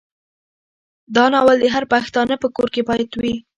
دا ناول د هر پښتانه په کور کې باید وي.